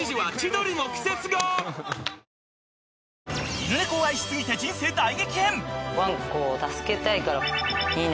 ［犬猫を愛し過ぎて人生大激変］